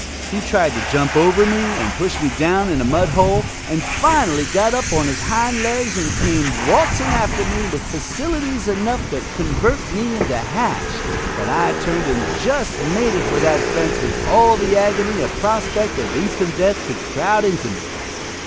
He tried to jump over me, and push me down in a mud hole, and finally got up on his hind legs and came waltzing after me with facilities enough to convert me into hash, but I turned and just made for that fence with all the agony a prospect of instant death could crowd into me.